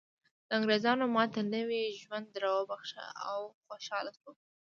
انګریزانو ماته نوی ژوند راوباښه او خوشحاله شوم